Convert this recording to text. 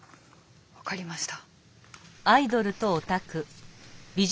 分かりました。